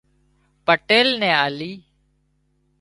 پٽيل نين آلي